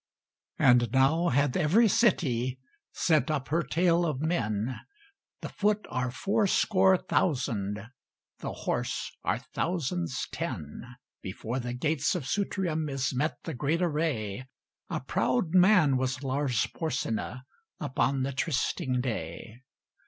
And now hath every city Sent up her tale of men; The foot are fourscore thousand, The horse are thousands ten. Before the gates of Sutrium Is met the great array. A proud man was Lars Porsena Upon the trysting day!